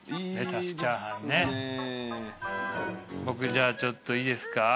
僕じゃあちょっといいですか？